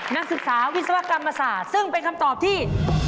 นักศึกษาวิศวกรรมศาสตร์ซึ่งเป็นคำตอบที่